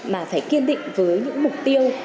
mà phải kiên định với những mục tiêu